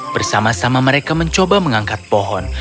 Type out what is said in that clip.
bersama sama mereka mencoba mengangkat pohon